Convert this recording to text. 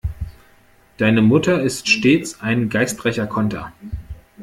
Deine Mutter ist stets ein geistreicher Konter.